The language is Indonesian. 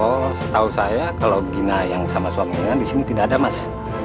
oh setau saya kalau gina yang sama suaminya disini tidak ada mas